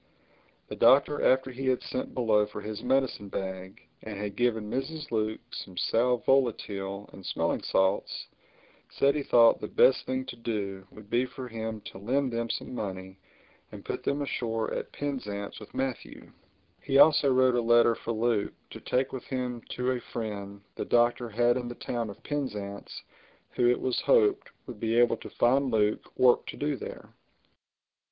The Doctor, after he had sent below for his medicine bag and had given Mrs. Luke some sal volatile and smelling salts, said he thought the best thing to do would be for him to lend them some money and put them ashore at Penzance with Matthew. He also wrote a letter for Luke to take with him to a friend the Doctor had in the town of Penzance who, it was hoped, would be able to find Luke work to do there.